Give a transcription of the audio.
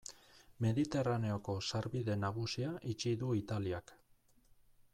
Mediterraneoko sarbide nagusia itxi du Italiak.